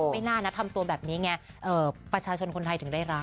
ไม่น่านะทำตัวแบบนี้ไงประชาชนคนไทยถึงได้รัก